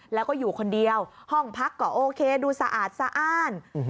แล้วก็อยู่คนเดียวห้องพักก็โอเคดูสะอาดสะอ้าน